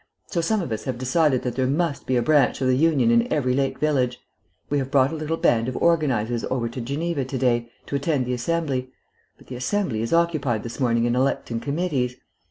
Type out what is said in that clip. So some of us have decided that there must be a branch of the Union in every lake village. We have brought a little band of organisers over to Geneva to day, to attend the Assembly. But the Assembly is occupied this morning in electing committees.